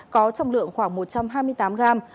có trọng lượng khoảng một trăm hai mươi tám g